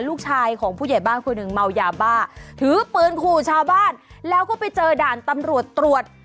ลูกชายของผู้ใหญ่บ้านคนหนึ่งเมายาบ้าถือปืนขู่ชาวบ้านแล้วก็ไปเจอด่านตำรวจตรวจ